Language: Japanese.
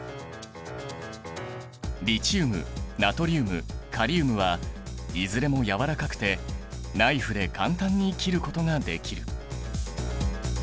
リチウムナトリウムカリウムはいずれもやわらかくてナイフで簡単に切ることができる。